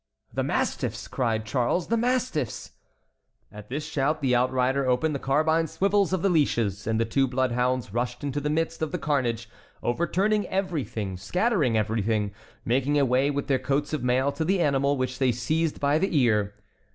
"The mastiffs!" cried Charles; "the mastiffs!" At this shout the outrider opened the carbine swivels of the leashes, and the two bloodhounds rushed into the midst of the carnage, overturning everything, scattering everything, making a way with their coats of mail to the animal, which they seized by the ear.